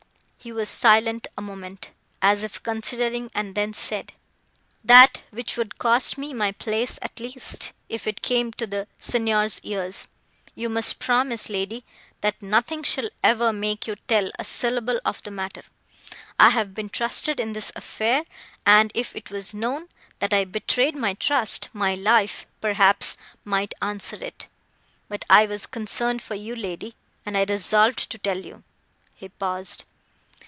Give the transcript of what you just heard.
He was silent a moment, as if considering, and then said,— "That which would cost me my place, at least, if it came to the Signor's ears. You must promise, lady, that nothing shall ever make you tell a syllable of the matter; I have been trusted in this affair, and, if it was known, that I betrayed my trust, my life, perhaps, might answer it. But I was concerned for you, lady, and I resolved to tell you." He paused.